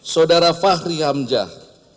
saudara fahri hamzah